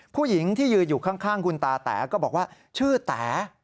ผู้หญิงที่ยืนอยู่ข้างคุณตาแต๋ก็บอกว่าชื่อแต๋